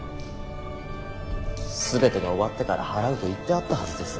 全てが終わってから払うと言ってあったはずです。